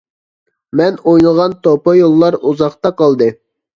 مەن ئوينىغان توپا يوللار ئۇزاقتا قالدى!